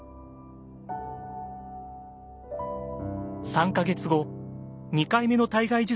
３か月後２回目の体外受精にトライ。